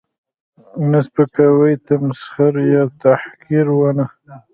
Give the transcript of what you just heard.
، نه سپکاوی، تمسخر یا تحقیرونه